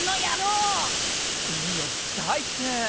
うっわさいってい！